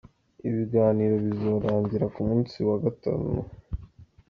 Ibiganiro bizorangira ku musi wa gatanu.